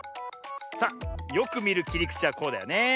さあよくみるきりくちはこうだよね。